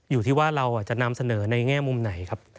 อยู่ที่ว่าเราจะนำเสนอในแง่มุมไหนครับ